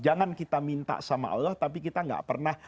jangan kita minta sama allah tapi kita gak pernah